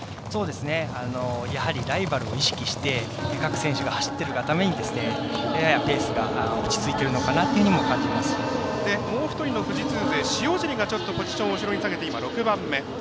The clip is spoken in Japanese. やはりライバルを意識して各選手が走ってるがためにややペースが落ち着いてるのかなともう一人の富士通勢塩尻が、ポジションを下げて６番目。